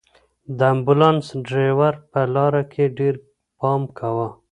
د امبولانس ډرېور په لاره کې ډېر پام کاوه.